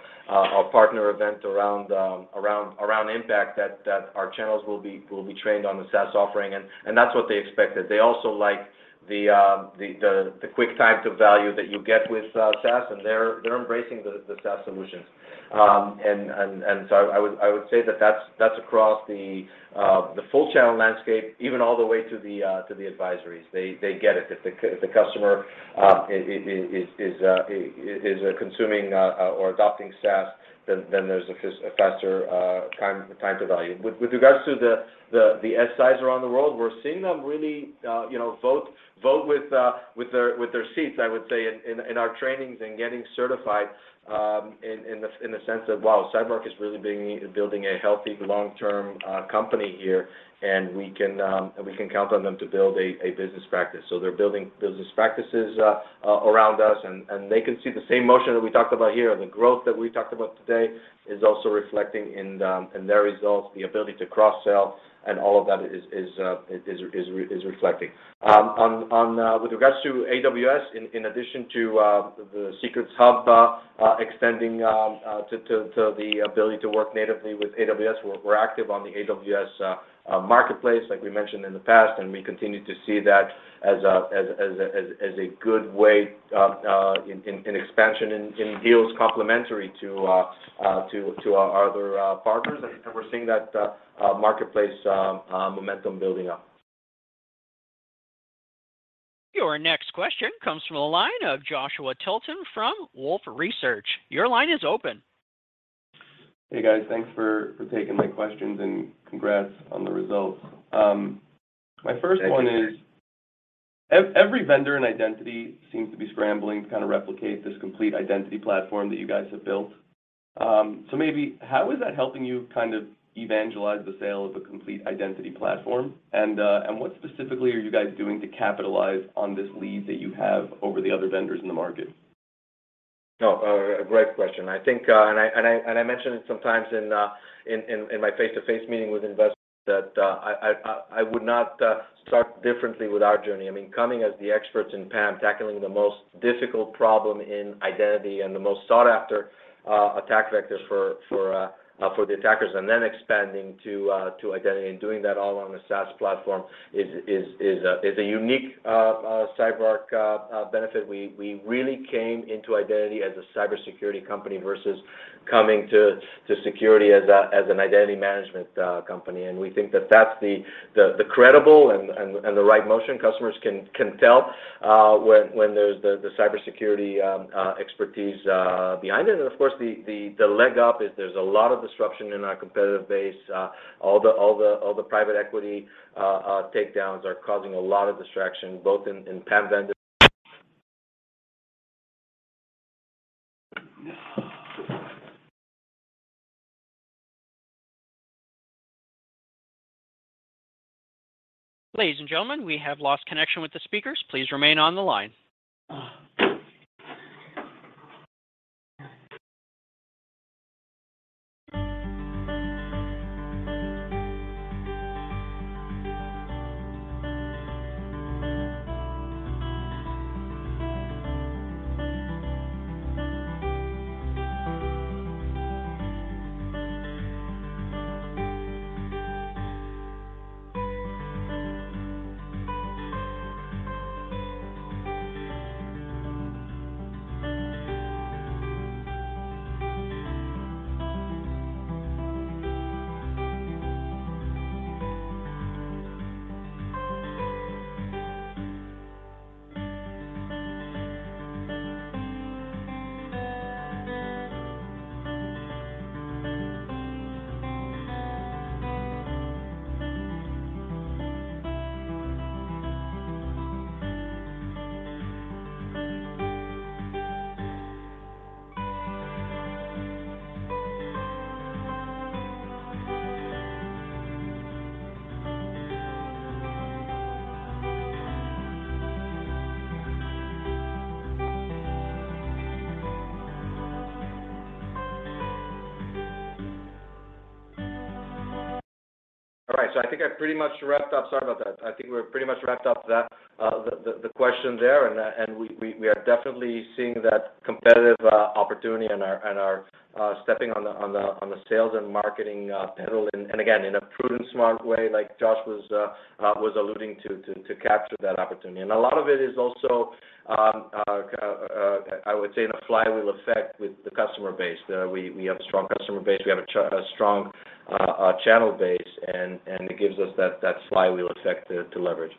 partner event around IMPACT that our channels will be trained on the SaaS offering, and that's what they expected. They also like the quick time to value that you get with SaaS, and they're embracing the SaaS solutions. I would say that that's across the full channel landscape, even all the way to the advisories. They get it. If the customer is consuming or adopting SaaS, then there's a faster time to value. With regards to the SIs around the world, we're seeing them really you know vote with their feet, I would say, in our trainings and getting certified in the sense of, wow, CyberArk is really building a healthy long-term company here, and we can count on them to build a business practice. They're building business practices around us, and they can see the same motion that we talked about here. The growth that we talked about today is also reflecting in their results, the ability to cross-sell, and all of that is reflecting. With regards to AWS, in addition to the Secrets Hub extending to the ability to work natively with AWS, we're active on the AWS Marketplace, like we mentioned in the past, and we continue to see that as a good way in expansion in deals complementary to our other partners. We're seeing that marketplace momentum building up. Your next question comes from the line of Joshua Tilton from Wolfe Research. Your line is open. Hey, guys. Thanks for taking my questions, and congrats on the results. My first one is. Thank you. Every vendor in identity seems to be scrambling to kinda replicate this complete identity platform that you guys have built. Maybe how is that helping you kind of evangelize the sale of a complete identity platform? What specifically are you guys doing to capitalize on this lead that you have over the other vendors in the market? No, a great question. I think, and I mentioned it sometimes in my face-to-face meeting with investors that I would not start differently with our journey. I mean, coming as the experts in PAM, tackling the most difficult problem in identity and the most sought after attack vectors for the attackers, and then expanding to identity and doing that all on a SaaS platform is a unique CyberArk benefit. We really came into identity as a cybersecurity company versus coming to security as an identity management company. We think that that's the credible and the right motion. Customers can tell when there's the cybersecurity expertise behind it. Of course, the leg up is there's a lot of disruption in our competitive base. All the private equity takedowns are causing a lot of distraction both in PAM vendors. Ladies and gentlemen, we have lost connection with the speakers. Please remain on the line. All right. I think I pretty much wrapped up. Sorry about that. I think we're pretty much wrapped up that the question there, and we are definitely seeing that competitive opportunity and are stepping on the sales and marketing pedal and again, in a prudent, smart way, like Josh was alluding to capture that opportunity. A lot of it is also, I would say, in a flywheel effect with the customer base. We have strong customer base. We have a strong channel base and it gives us that flywheel effect to leverage.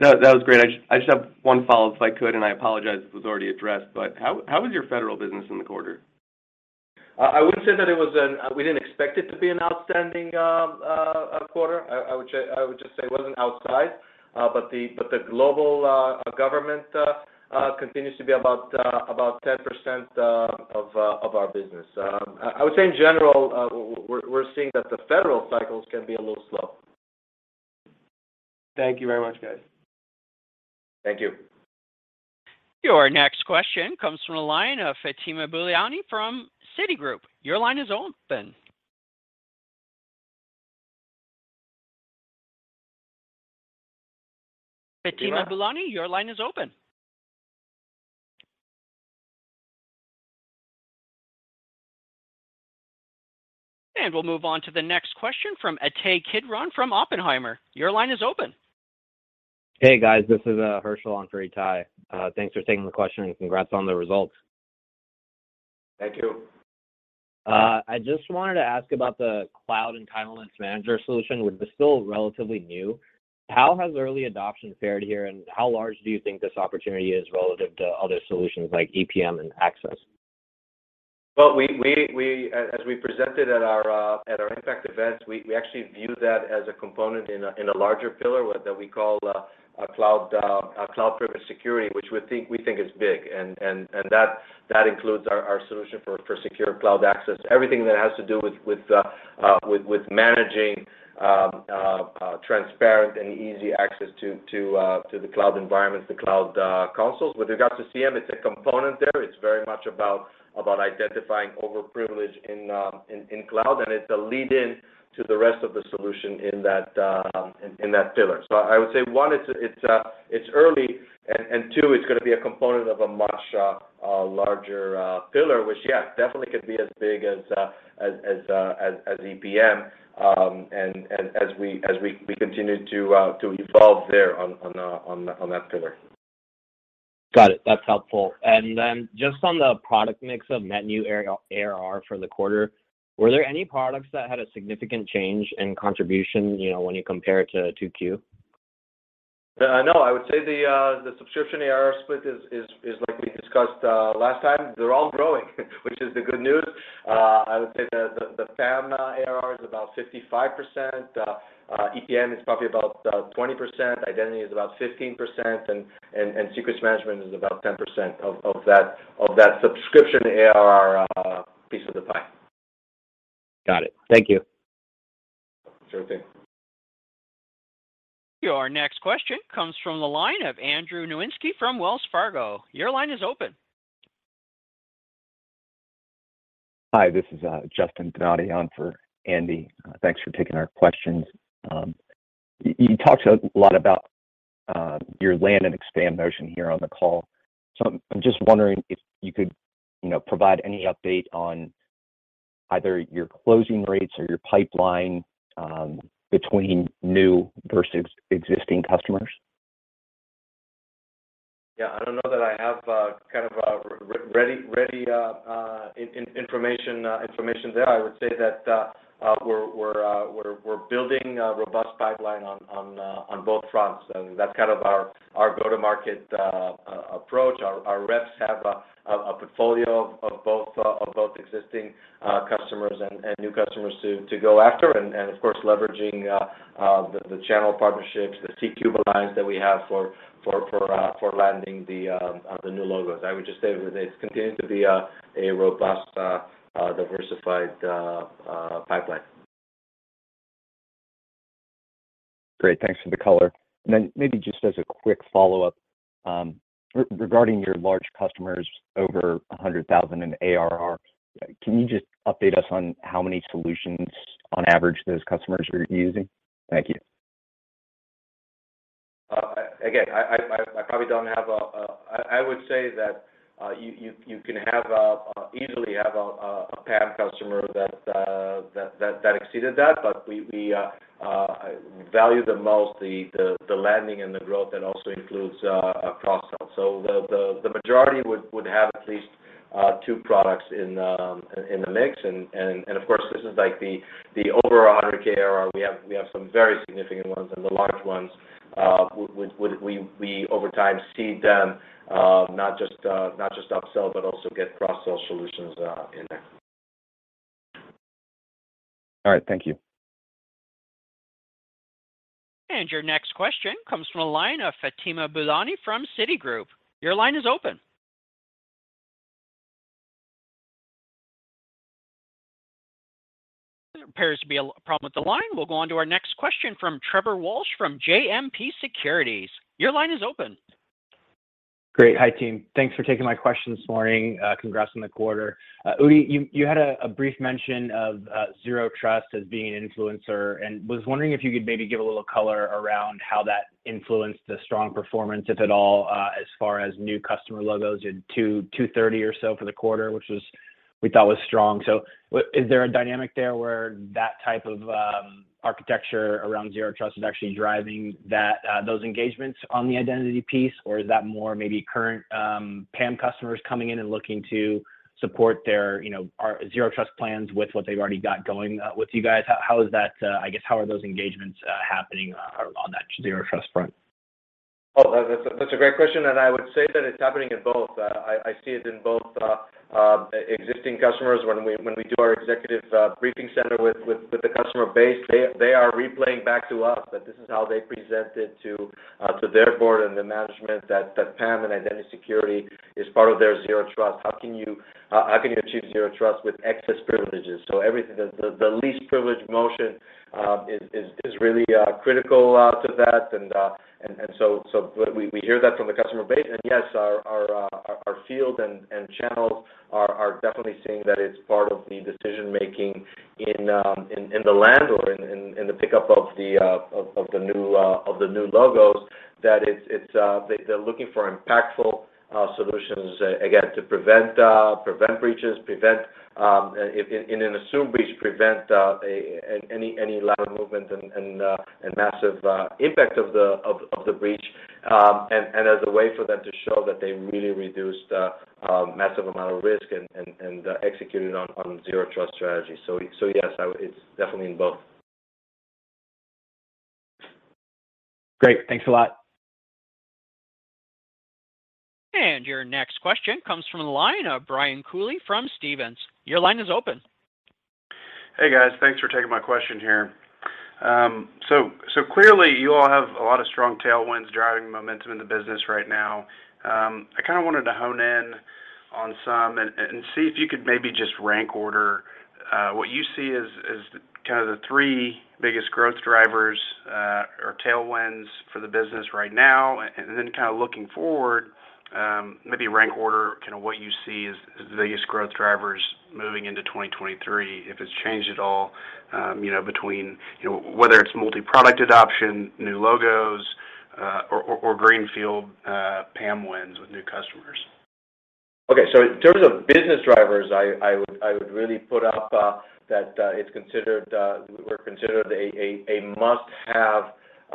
That was great. I just have one follow-up if I could, and I apologize if it was already addressed, but how was your federal business in the quarter? We didn't expect it to be an outstanding quarter. I would just say it wasn't an outlier. The global government continues to be about 10% of our business. I would say in general, we're seeing that the federal cycles can be a little slow. Thank you very much, guys. Thank you. Your next question comes from the line of Fatima Boolani from Citigroup. Your line is open. Fatima Boolani, your line is open. We'll move on to the next question from Ittai Kidron from Oppenheimer. Your line is open. Hey, guys. This is Hershel on for Ittai. Thanks for taking the question, and congrats on the results. Thank you. I just wanted to ask about the Cloud Entitlements Manager solution, which is still relatively new. How has early adoption fared here, and how large do you think this opportunity is relative to other solutions like EPM and Access? Well, as we presented at our IMPACT event, we actually view that as a component in a larger pillar that we call cloud privilege security, which we think is big, and that includes our solution for secure cloud access. Everything that has to do with managing transparent and easy access to the cloud environments, the cloud consoles. With regards to C3M, it's a component there. It's very much about identifying overprivilege in cloud, and it's a lead-in to the rest of the solution in that pillar. I would say, one, it's early, and two, it's gonna be a component of a much larger pillar, which, yeah, definitely could be as big as EPM, and as we continue to evolve there on that pillar. Got it. That's helpful. Just on the product mix of net new ARR for the quarter, were there any products that had a significant change in contribution, you know, when you compare it to 2Q? No. I would say the subscription ARR split is like we discussed last time. They're all growing, which is the good news. I would say the PAM ARR is about 55%. EPM is probably about 20%. Identity is about 15%, and Secrets Management is about 10% of that subscription ARR piece of the pie. Got it. Thank you. Sure thing. Your next question comes from the line of Andrew Nowinski from Wells Fargo. Your line is open. Hi, this is Justin Donati on for Andy. Thanks for taking our questions. You talked a lot about your land and expand motion here on the call. I'm just wondering if you could, you know, provide any update on either your closing rates or your pipeline between new versus existing customers. Yeah. I don't know that I have kind of a ready information there. I would say that we're building a robust pipeline on both fronts. That's kind of our go-to-market approach. Our reps have a portfolio of both existing customers and new customers to go after and of course leveraging the channel partnerships, the C3 Alliance that we have for landing the new logos. I would just say that it's continuing to be a robust diversified pipeline. Great. Thanks for the color. Then maybe just as a quick follow-up, regarding your large customers over 100,000 in ARR, can you just update us on how many solutions on average those customers are using? Thank you. I would say that you can easily have a PAM customer that exceeded that, but we value the most the landing and the growth that also includes cross-sell. The majority would have at least two products in the mix. Of course, this is like the over 100K ARR, we have some very significant ones, and the large ones would. We over time see them not just upsell but also get cross-sell solutions in there. All right. Thank you. Your next question comes from the line of Fatima Boolani from Citigroup. Your line is open. There appears to be a line problem with the line. We'll go on to our next question from Trevor Walsh from JMP Securities. Your line is open. Great. Hi, team. Thanks for taking my question this morning. Congrats on the quarter. Udi, you had a brief mention of zero trust as being an influencer, and was wondering if you could maybe give a little color around how that influenced the strong performance, if at all, as far as new customer logos in 230 or so for the quarter, which we thought was strong. So is there a dynamic there where that type of architecture around zero trust is actually driving those engagements on the identity piece, or is that more maybe current PAM customers coming in and looking to support their, you know, zero trust plans with what they've already got going with you guys? How is that, I guess, how are those engagements happening on that Zero Trust front? Oh, that's a great question, and I would say that it's happening in both. I see it in both existing customers when we do our executive briefing center with the customer base. They are relaying back to us that this is how they present it to their board and the management that PAM and identity security is part of their Zero Trust. How can you achieve Zero Trust with excess privileges? Everything, the least privilege motion is really critical to that. We hear that from the customer base. Yes, our field and channels are definitely seeing that it's part of the decision-making in the land or in the pickup of the new logos. They're looking for impactful solutions again to prevent breaches, prevent in an assumed breach, prevent any lateral movement and massive impact of the breach. As a way for them to show that they really reduced massive amount of risk and executed on Zero Trust strategy. Yes, I would. It's definitely in both. Great. Thanks a lot. Your next question comes from the line of Brian Colley from Stephens. Your line is open. Hey, guys. Thanks for taking my question here. So clearly, you all have a lot of strong tailwinds driving momentum in the business right now. I kinda wanted to hone in on some and see if you could maybe just rank order what you see as kind of the three biggest growth drivers or tailwinds for the business right now. Then kinda looking forward, maybe rank order kinda what you see as the biggest growth drivers moving into 2023. If it's changed at all, you know, between, you know, whether it's multi-product adoption, new logos, or greenfield PAM wins with new customers. Okay. In terms of business drivers, I would really put up that it's considered we're considered a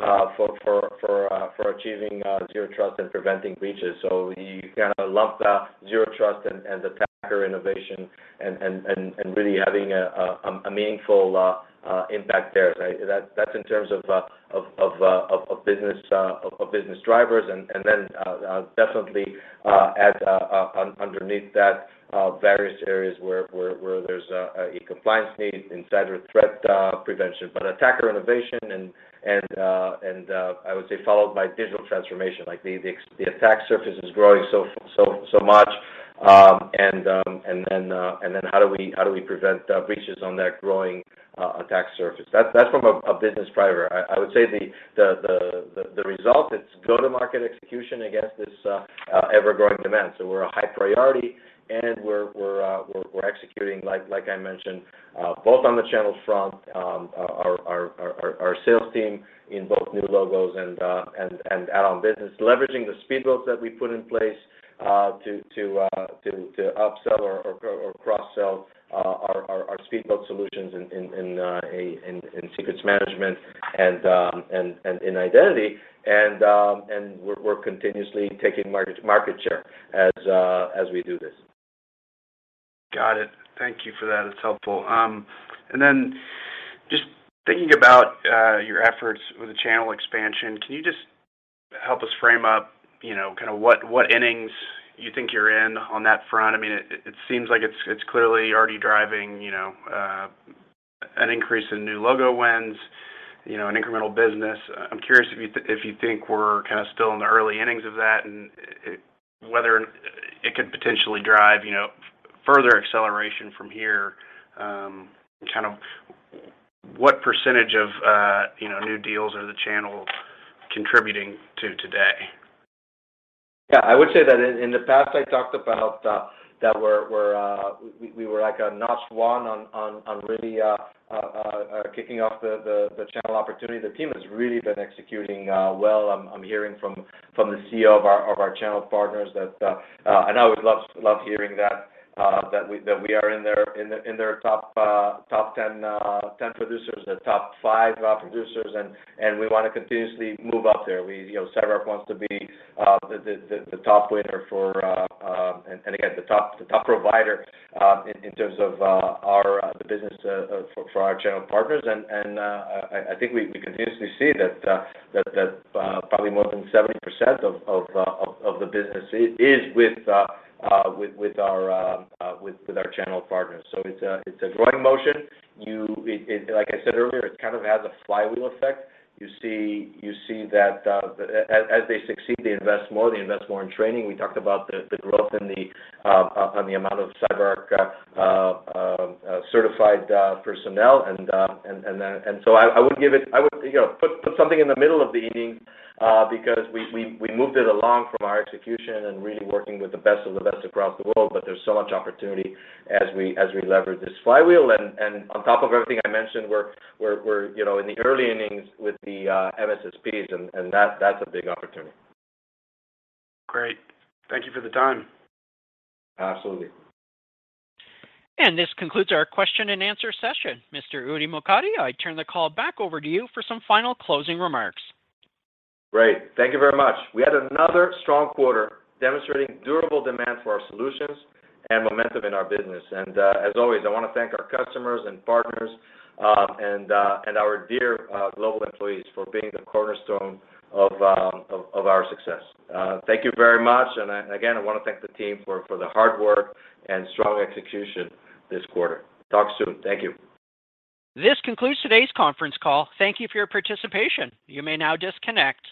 must-have for achieving Zero Trust and preventing breaches. You kinda lump the Zero Trust and really having a meaningful impact there. That's in terms of business drivers. Then definitely as underneath that various areas where there's a compliance need, insider threat prevention. Attacker innovation and I would say followed by digital transformation. Like the attack surface is growing so much. How do we prevent breaches on that growing attack surface? That's from a business driver. I would say the result is go-to-market execution against this ever-growing demand. We're a high priority, and we're executing, like I mentioned, both on the channels front, our sales team in both new logos and add-on business. Leveraging the Speedboats that we put in place to upsell or cross-sell our Speedboat solutions in Secrets Management and in identity. We're continuously taking market share as we do this. Got it. Thank you for that. It's helpful. Just thinking about your efforts with the channel expansion, can you just help us frame up, you know, kinda what innings you think you're in on that front? I mean, it seems like it's clearly already driving, you know, an increase in new logo wins, you know, an incremental business. I'm curious if you think we're kinda still in the early innings of that and whether it could potentially drive, you know, further acceleration from here. Kind of what percentage of new deals are the channel contributing to today? Yeah. I would say that in the past, I talked about that we were like a notch one on really kicking off the channel opportunity. The team has really been executing well. I'm hearing from the CEO of our channel partners that I always love hearing that we are in their top ten producers, the top five producers. We wanna continuously move up there. You know, CyberArk wants to be the top winner and again the top provider in terms of our business for our channel partners. I think we continuously see that probably more than 70% of the business is with our channel partners. It's a growing motion. Like I said earlier, it kind of has a flywheel effect. You see that as they succeed, they invest more in training. We talked about the growth in the amount of CyberArk certified personnel. I would, you know, put something in the middle of the inning, because we moved it along from our execution and really working with the best of the best across the world, but there's so much opportunity as we leverage this flywheel. On top of everything I mentioned, we're, you know, in the early innings with the MSSPs and that's a big opportunity. Great. Thank you for the time. Absolutely. This concludes our question and answer session. Mr. Udi Mokady, I turn the call back over to you for some final closing remarks. Great. Thank you very much. We had another strong quarter demonstrating durable demand for our solutions and momentum in our business. As always, I wanna thank our customers and partners, and our dear global employees for being the cornerstone of our success. Thank you very much. Again, I wanna thank the team for the hard work and strong execution this quarter. Talk soon. Thank you. This concludes today's conference call. Thank you for your participation. You may now disconnect.